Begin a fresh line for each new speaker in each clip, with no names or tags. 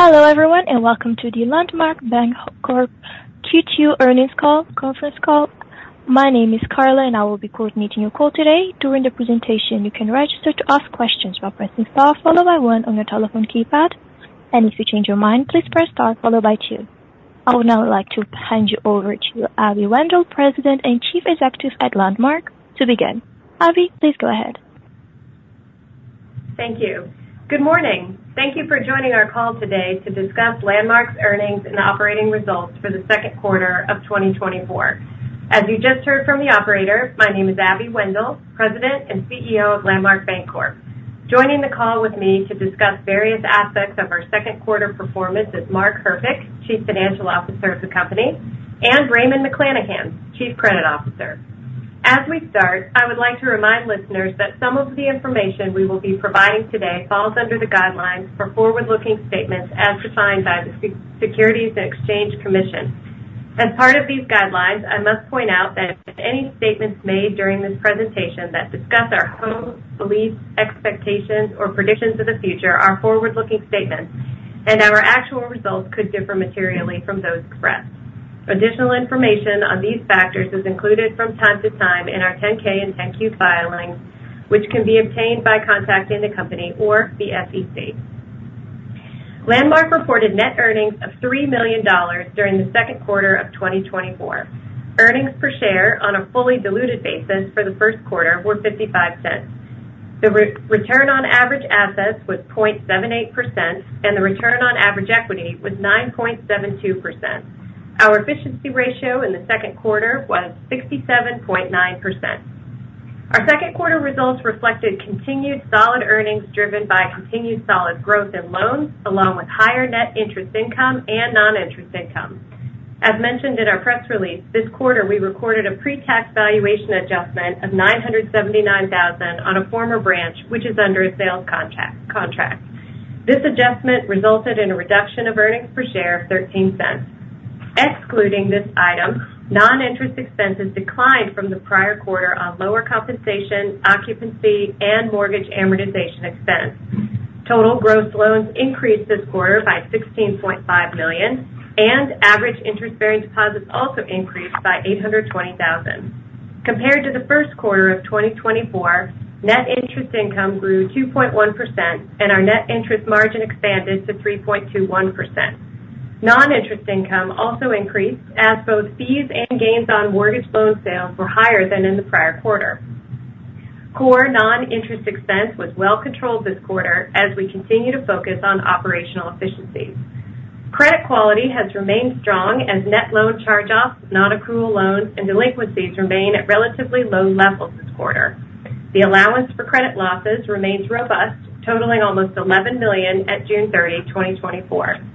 Hello, everyone, and welcome to the Landmark Bancorp Q2 Earnings Call, Conference Call. My name is Carla, and I will be coordinating your call today. During the presentation, you can register to ask questions by pressing star followed by one on your telephone keypad, and if you change your mind, please press star followed by two. I would now like to hand you over to Abby Wendel, President and Chief Executive at Landmark, to begin. Abby, please go ahead.
Thank you. Good morning. Thank you for joining our call today to discuss Landmark's earnings and operating results for the second quarter of 2024. As you just heard from the operator, my name is Abby Wendel, President and CEO of Landmark Bancorp. Joining the call with me to discuss various aspects of our second quarter performance is Mark Herpich, Chief Financial Officer of the company, and Raymond McLanahan, Chief Credit Officer. As we start, I would like to remind listeners that some of the information we will be providing today falls under the guidelines for forward-looking statements as defined by the Securities and Exchange Commission. As part of these guidelines, I must point out that any statements made during this presentation that discuss our hopes, beliefs, expectations, or predictions of the future are forward-looking statements, and our actual results could differ materially from those expressed. Additional information on these factors is included from time to time in our 10-K and 10-Q filings, which can be obtained by contacting the company or the SEC. Landmark reported net earnings of $3 million during the second quarter of 2024. Earnings per share on a fully diluted basis for the first quarter were $0.55. The return on average assets was 0.78%, and the return on average equity was 9.72%. Our efficiency ratio in the second quarter was 67.9%. Our second quarter results reflected continued solid earnings, driven by continued solid growth in loans, along with higher net interest income and non-interest income. As mentioned in our press release, this quarter, we recorded a pre-tax valuation adjustment of $979,000 on a former branch, which is under a sales contract. This adjustment resulted in a reduction of earnings per share of $0.13. Excluding this item, non-interest expenses declined from the prior quarter on lower compensation, occupancy, and mortgage amortization expense. Total gross loans increased this quarter by $16.5 million, and average interest-bearing deposits also increased by $820,000. Compared to the first quarter of 2024, net interest income grew 2.1%, and our net interest margin expanded to 3.21%. Non-interest income also increased, as both fees and gains on mortgage loan sales were higher than in the prior quarter. Core non-interest expense was well controlled this quarter as we continue to focus on operational efficiencies. Credit quality has remained strong as net loan charge-offs, non-accrual loans and delinquencies remain at relatively low levels this quarter. The allowance for credit losses remains robust, totaling almost $11 million at June 30th, 2024.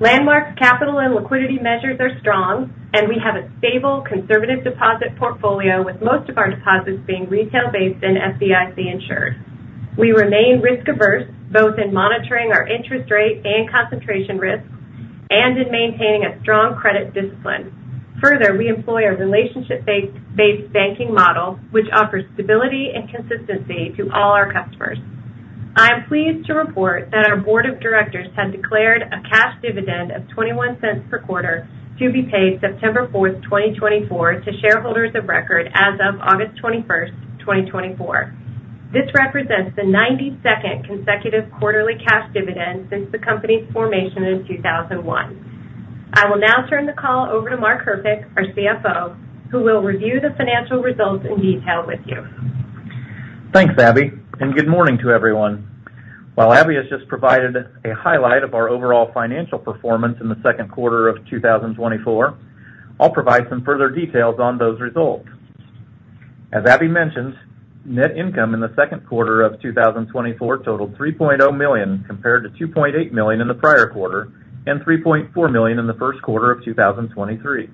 Landmark's capital and liquidity measures are strong, and we have a stable, conservative deposit portfolio, with most of our deposits being retail-based and FDIC insured. We remain risk averse, both in monitoring our interest rate and concentration risks and in maintaining a strong credit discipline. Further, we employ a relationship-based, based banking model, which offers stability and consistency to all our customers. I am pleased to report that our board of directors has declared a cash dividend of $0.21 per quarter to be paid September 4th, 2024, to shareholders of record as of August 21st, 2024. This represents the 92nd consecutive quarterly cash dividend since the company's formation in 2001. I will now turn the call over to Mark Herpich, our CFO, who will review the financial results in detail with you.
Thanks, Abby, and good morning to everyone. While Abby has just provided a highlight of our overall financial performance in the second quarter of 2024, I'll provide some further details on those results. As Abby mentioned, net income in the second quarter of 2024 totaled $3.0 million, compared to $2.8 million in the prior quarter and $3.4 million in the first quarter of 2023.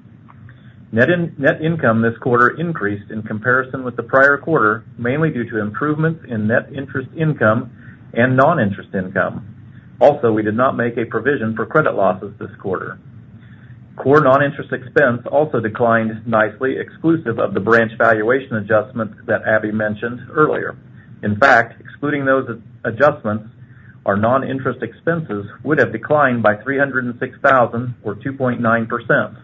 Net income this quarter increased in comparison with the prior quarter, mainly due to improvements in net interest income and non-interest income. Also, we did not make a provision for credit losses this quarter. Core non-interest expense also declined nicely, exclusive of the branch valuation adjustment that Abby mentioned earlier. In fact, excluding those adjustments, our non-interest expenses would have declined by $306,000, or 2.9%.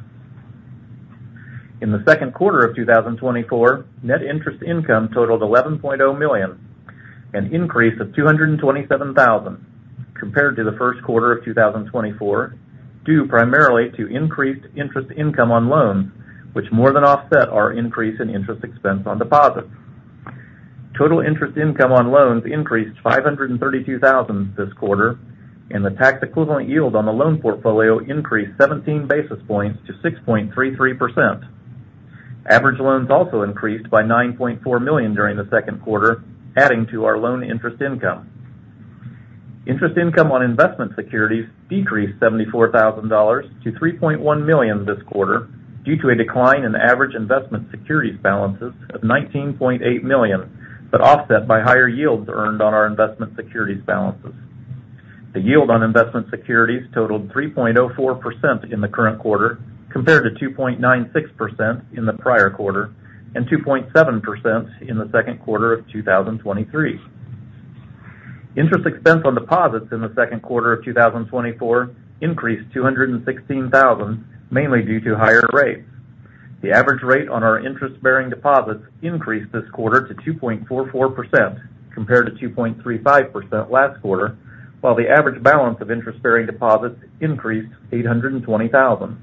In the second quarter of 2024, net interest income totaled $11.0 million, an increase of $227,000 compared to the first quarter of 2024, due primarily to increased interest income on loans, which more than offset our increase in interest expense on deposits. Total interest income on loans increased $532,000 this quarter, and the tax equivalent yield on the loan portfolio increased 17 basis points to 6.33%. Average loans also increased by $9.4 million during the second quarter, adding to our loan interest income. Interest income on investment securities decreased $74,000 to $3.1 million this quarter, due to a decline in average investment securities balances of $19.8 million, but offset by higher yields earned on our investment securities balances. The yield on investment securities totaled 3.04% in the current quarter, compared to 2.96% in the prior quarter and 2.7% in the second quarter of 2023. Interest expense on deposits in the second quarter of 2024 increased $216,000, mainly due to higher rates. The average rate on our interest-bearing deposits increased this quarter to 2.44%, compared to 2.35% last quarter, while the average balance of interest-bearing deposits increased $820,000.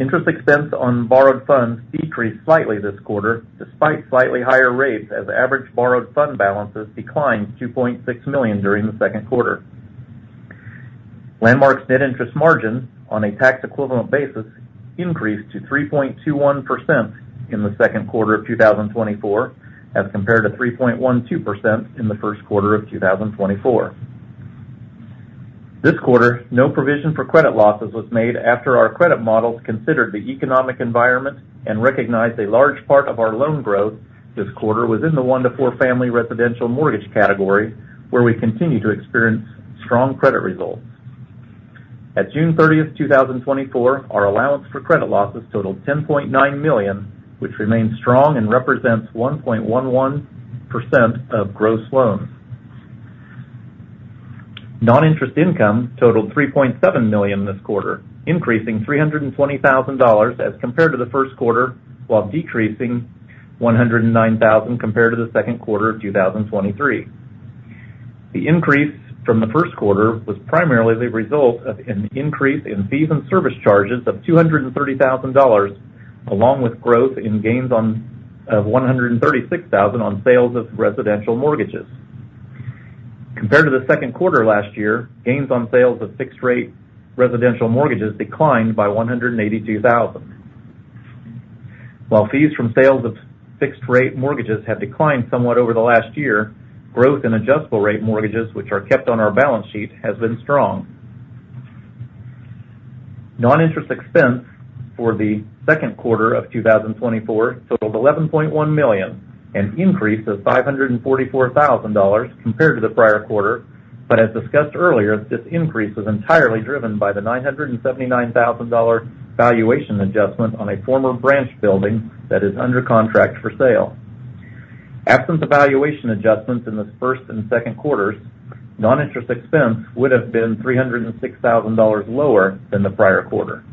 Interest expense on borrowed funds decreased slightly this quarter, despite slightly higher rates, as average borrowed fund balances declined $2.6 million during the second quarter. Landmark's net interest margin, on a tax equivalent basis, increased to 3.21% in the second quarter of 2024, as compared to 3.12% in the first quarter of 2024. This quarter, no provision for credit losses was made after our credit models considered the economic environment and recognized a large part of our loan growth this quarter was in the one-to-four family residential mortgage category, where we continue to experience strong credit results. At June 30th, 2024, our allowance for credit losses totaled $10.9 million, which remains strong and represents 1.11% of gross loans. Noninterest income totaled $3.7 million this quarter, increasing $320,000 as compared to the first quarter, while decreasing $109,000 compared to the second quarter of 2023. The increase from the first quarter was primarily the result of an increase in fees and service charges of $230,000, along with growth in gains of $136,000 on sales of residential mortgages. Compared to the second quarter last year, gains on sales of fixed-rate residential mortgages declined by $182,000. While fees from sales of fixed-rate mortgages have declined somewhat over the last year, growth in adjustable-rate mortgages, which are kept on our balance sheet, has been strong. Noninterest expense for the second quarter of 2024 totaled $11.1 million, an increase of $544,000 compared to the prior quarter, but as discussed earlier, this increase was entirely driven by the $979,000 valuation adjustment on a former branch building that is under contract for sale. Absent the valuation adjustments in the first and second quarters, noninterest expense would have been $306,000 lower than the prior quarter.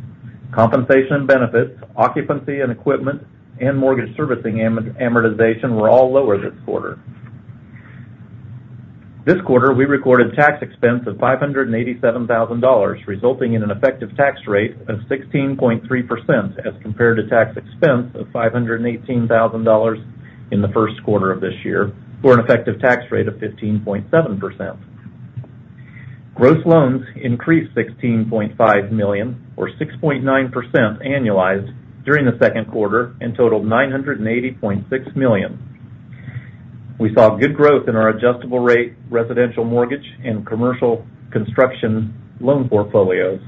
Compensation and benefits, occupancy and equipment, and mortgage servicing amortization were all lower this quarter. This quarter, we recorded tax expense of $587,000, resulting in an effective tax rate of 16.3%, as compared to tax expense of $518,000 in the first quarter of this year, for an effective tax rate of 15.7%. Gross loans increased $16.5 million, or 6.9% annualized during the second quarter and totaled $980.6 million. We saw good growth in our adjustable-rate residential mortgage and commercial construction loan portfolios.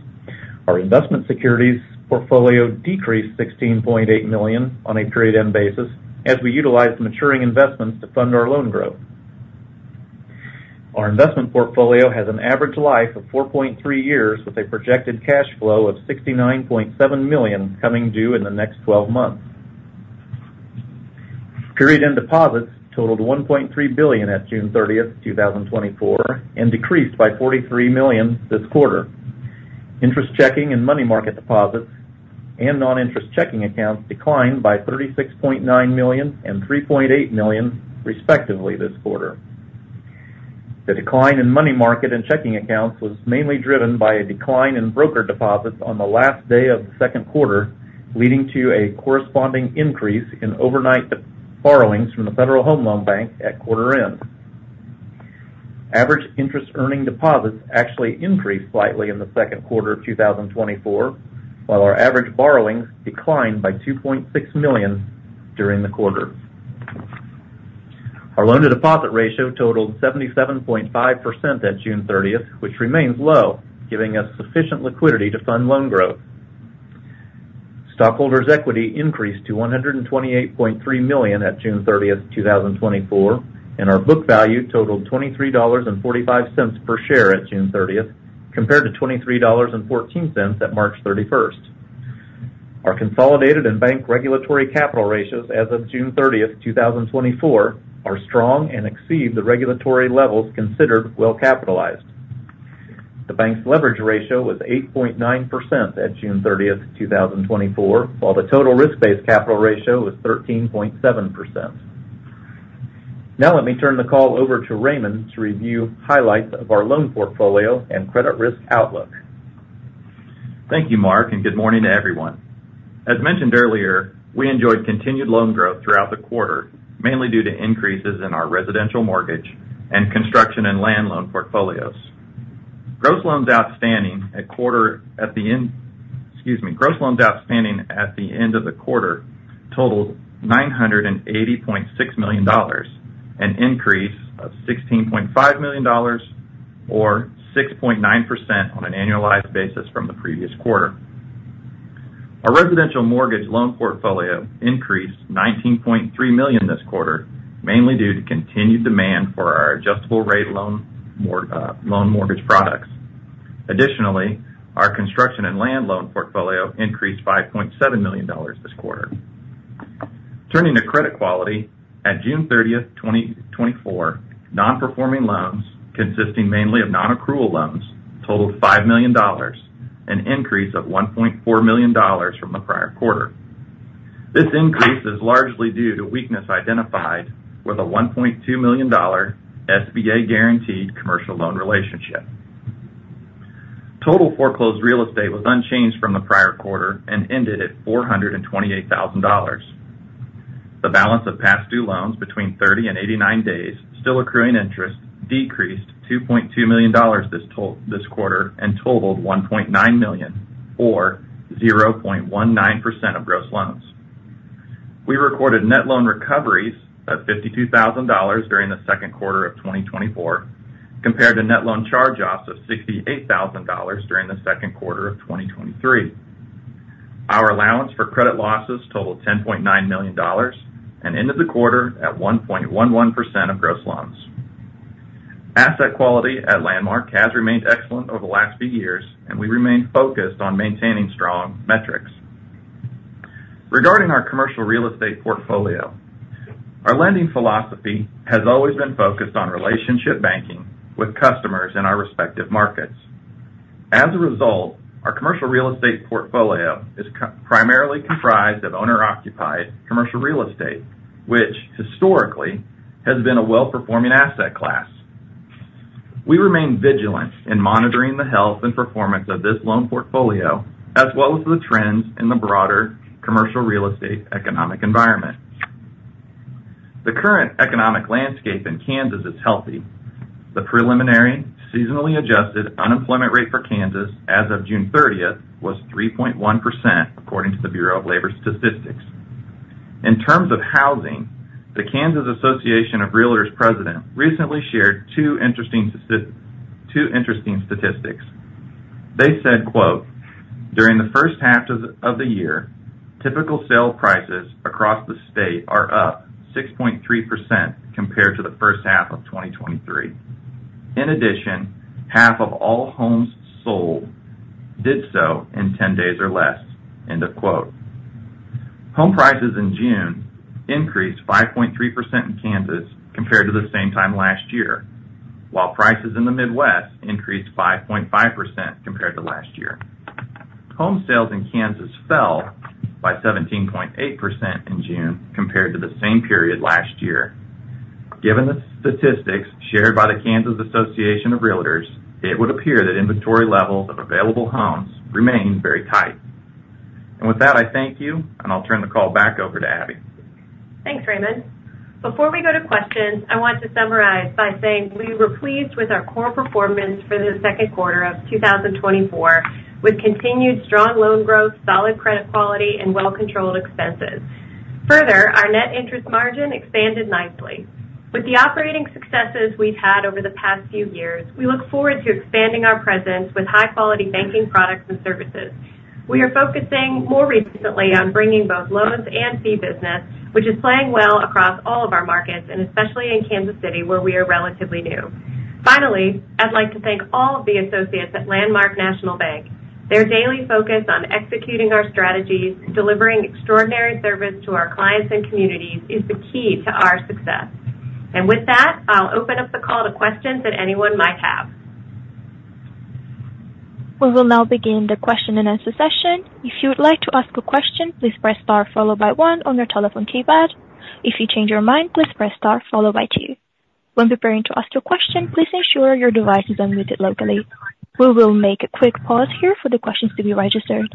Our investment securities portfolio decreased $16.8 million on a period-end basis, as we utilized maturing investments to fund our loan growth. Our investment portfolio has an average life of 4.3 years, with a projected cash flow of $69.7 million coming due in the next twelve months. Period-end deposits totaled $1.3 billion at June 30, 2024, and decreased by $43 million this quarter. Interest checking and money market deposits and non-interest checking accounts declined by $36.9 million and $3.8 million, respectively, this quarter. The decline in money market and checking accounts was mainly driven by a decline in brokered deposits on the last day of the second quarter, leading to a corresponding increase in overnight borrowings from the Federal Home Loan Bank at quarter end. Average interest earning deposits actually increased slightly in the second quarter of 2024, while our average borrowings declined by $2.6 million during the quarter. Our loan-to-deposit ratio totaled 77.5% at June 30, which remains low, giving us sufficient liquidity to fund loan growth. Stockholders' equity increased to $128.3 million at June 30, 2024, and our book value totaled $23.45 per share at June 30, compared to $23.14 at March 31. Our consolidated and bank regulatory capital ratios as of June 30th, 2024, are strong and exceed the regulatory levels considered well capitalized. The bank's leverage ratio was 8.9% at June 30, 2024, while the total risk-based capital ratio was 13.7%. Now let me turn the call over to Raymond to review highlights of our loan portfolio and credit risk outlook.
Thank you, Mark, and good morning to everyone. As mentioned earlier, we enjoyed continued loan growth throughout the quarter, mainly due to increases in our residential mortgage and construction and land loan portfolios. Gross loans outstanding at the end of the quarter totaled $980.6 million, an increase of $16.5 million or 6.9% on an annualized basis from the previous quarter. Our residential mortgage loan portfolio increased $19.3 million this quarter, mainly due to continued demand for our adjustable-rate mortgage products. Additionally, our construction and land loan portfolio increased by $0.7 million this quarter. Turning to credit quality, at June 30th, 2024, non-performing loans, consisting mainly of non-accrual loans, totaled $5 million, an increase of $1.4 million from the prior quarter. This increase is largely due to weakness identified with a $1.2 million SBA guaranteed commercial loan relationship. Total foreclosed real estate was unchanged from the prior quarter and ended at $428,000. The balance of past due loans between 30 and 89 days, still accruing interest, decreased $2.2 million this quarter and totaled $1.9 million, or 0.19% of gross loans. We recorded net loan recoveries of $52,000 during the second quarter of 2024, compared to net loan charge-offs of $68,000 during the second quarter of 2023. Our allowance for credit losses totaled $10.9 million and ended the quarter at 1.11% of gross loans. Asset quality at Landmark has remained excellent over the last few years, and we remain focused on maintaining strong metrics. Regarding our commercial real estate portfolio, our lending philosophy has always been focused on relationship banking with customers in our respective markets. As a result, our commercial real estate portfolio is primarily comprised of owner-occupied commercial real estate, which historically has been a well-performing asset class. We remain vigilant in monitoring the health and performance of this loan portfolio, as well as the trends in the broader commercial real estate economic environment. The current economic landscape in Kansas is healthy. The preliminary, seasonally adjusted unemployment rate for Kansas as of June thirtieth, was 3.1%, according to the Bureau of Labor Statistics. In terms of housing, the Kansas Association of Realtors president recently shared two interesting statistics. They said, quote, "During the first half of the year, typical sale prices across the state are up 6.3% compared to the first half of 2023. In addition, half of all homes sold did so in 10 days or less," end of quote. Home prices in June increased 5.3% in Kansas compared to the same time last year, while prices in the Midwest increased 5.5% compared to last year. Home sales in Kansas fell by 17.8% in June compared to the same period last year. Given the statistics shared by the Kansas Association of Realtors, it would appear that inventory levels of available homes remain very tight. With that, I thank you, and I'll turn the call back over to Abby.
Thanks, Raymond. Before we go to questions, I want to summarize by saying we were pleased with our core performance for the second quarter of 2024, with continued strong loan growth, solid credit quality, and well-controlled expenses. Further, our net interest margin expanded nicely. With the operating successes we've had over the past few years, we look forward to expanding our presence with high-quality banking products and services. We are focusing more recently on bringing both loans and fee business, which is playing well across all of our markets, and especially in Kansas City, where we are relatively new. Finally, I'd like to thank all of the associates at Landmark National Bank. Their daily focus on executing our strategies, delivering extraordinary service to our clients and communities, is the key to our success. With that, I'll open up the call to questions that anyone might have.
We will now begin the question-and-answer session. If you would like to ask a question, please press star, followed by one on your telephone keypad. If you change your mind, please press star followed by two. When preparing to ask your question, please ensure your device is unmuted locally. We will make a quick pause here for the questions to be registered.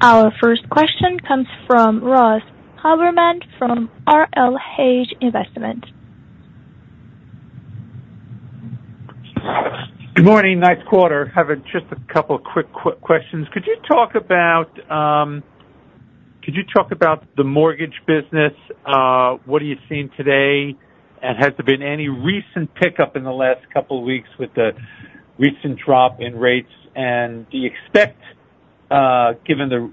Our first question comes from Ross Haberman from RLH Investments.
Good morning. Nice quarter. Having just a couple of quick, quick questions. Could you talk about the mortgage business? What are you seeing today, and has there been any recent pickup in the last couple of weeks with the recent drop in rates? And do you expect, given the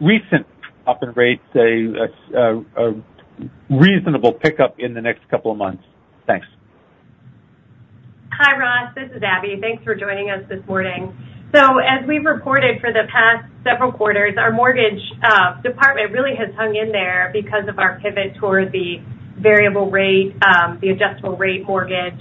recent drop in rates, a reasonable pickup in the next couple of months? Thanks.
Hi, Ross, this is Abby. Thanks for joining us this morning. So as we've reported for the past several quarters, our mortgage department really has hung in there because of our pivot toward the variable rate, the adjustable rate mortgage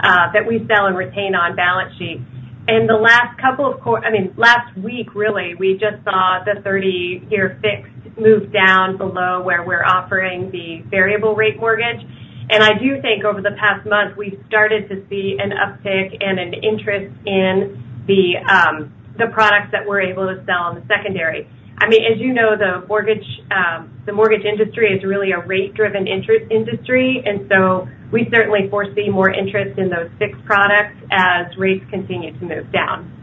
that we sell and retain on balance sheet. In the last couple of, I mean, last week, really, we just saw the 30-year fixed move down below where we're offering the variable rate mortgage. And I do think over the past month, we've started to see an uptick and an interest in the products that we're able to sell on the secondary. I mean, as you know, the mortgage, the mortgage industry is really a rate-driven interest industry, and so we certainly foresee more interest in those fixed products as rates continue to move down.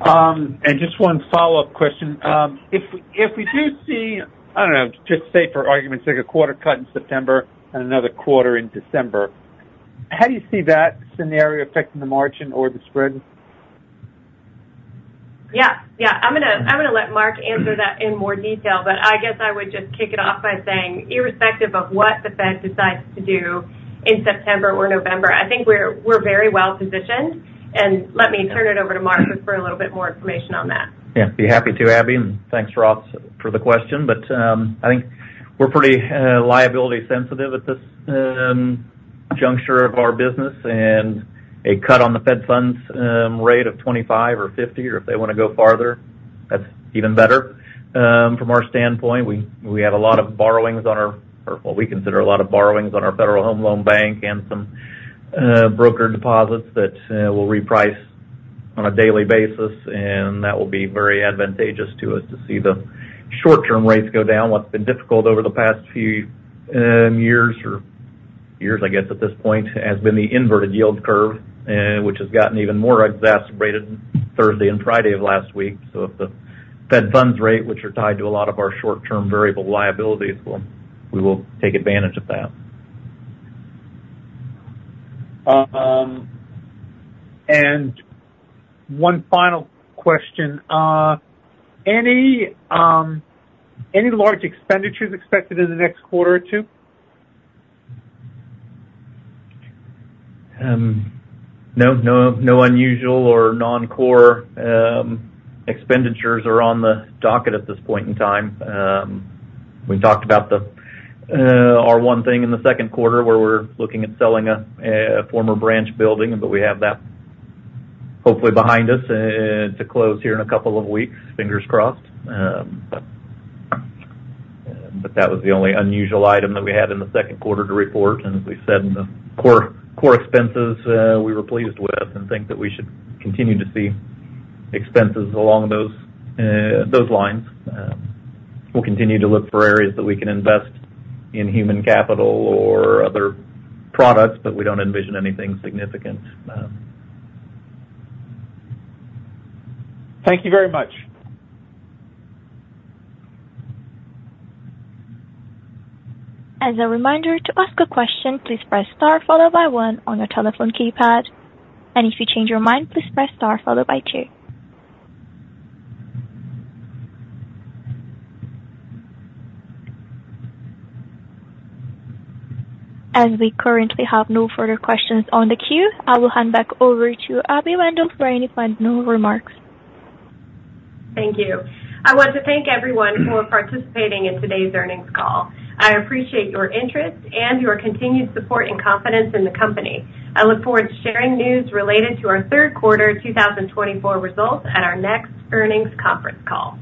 And just one follow-up question. If we do see, I don't know, just say for argument's sake, a quarter cut in September and another quarter in December, how do you see that scenario affecting the margin or the spread?...
Yeah, yeah, I'm gonna, I'm gonna let Mark answer that in more detail, but I guess I would just kick it off by saying, irrespective of what the Fed decides to do in September or November, I think we're, we're very well positioned. And let me turn it over to Mark just for a little bit more information on that.
Yeah, be happy to, Abby, and thanks, Ross, for the question. But, I think we're pretty, liability sensitive at this, juncture of our business, and a cut on the Fed funds, rate of 25 or 50, or if they wanna go farther, that's even better. From our standpoint, we, we have a lot of borrowings on our, or what we consider a lot of borrowings on our Federal Home Loan Bank and some, broker deposits that, we'll reprice on a daily basis, and that will be very advantageous to us to see the short-term rates go down. What's been difficult over the past few, years or years, I guess, at this point, has been the inverted yield curve, which has gotten even more exacerbated Thursday and Friday of last week. If the Fed funds rate, which are tied to a lot of our short-term variable liabilities, we will take advantage of that.
One final question. Any large expenditures expected in the next quarter or two?
No, no, no unusual or non-core expenditures are on the docket at this point in time. We talked about our one thing in the second quarter, where we're looking at selling a former branch building, but we have that hopefully behind us to close here in a couple of weeks. Fingers crossed. But that was the only unusual item that we had in the second quarter to report. As we said, in the core, core expenses, we were pleased with and think that we should continue to see expenses along those lines. We'll continue to look for areas that we can invest in human capital or other products, but we don't envision anything significant.
Thank you very much.
As a reminder, to ask a question, please press star followed by one on your telephone keypad. If you change your mind, please press star followed by two. As we currently have no further questions on the queue, I will hand back over to Abby Wendel for any final remarks.
Thank you. I want to thank everyone for participating in today's earnings call. I appreciate your interest and your continued support and confidence in the company. I look forward to sharing news related to our third quarter 2024 results at our next earnings conference call.